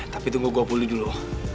tapi tunggu gue bully dulu